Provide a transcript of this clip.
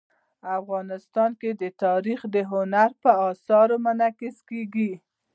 افغانستان کې تاریخ د هنر په اثار کې منعکس کېږي.